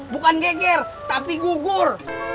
bukan geger tapi gugur